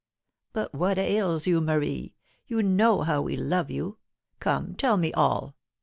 "But what ails you, Marie? You know how we love you! Come, tell me all.